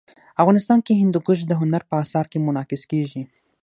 افغانستان کې هندوکش د هنر په اثار کې منعکس کېږي.